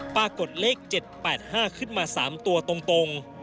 ปรากฏเลข๗๘๕ขึ้นมา๓ตัวตรง